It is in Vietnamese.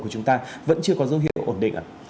của chúng ta vẫn chưa có dấu hiệu ổn định ạ